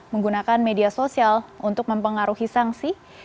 menggunakan media sosial untuk mempengaruhi sanksi